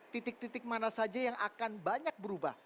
titik titik mana saja yang akan banyak berubah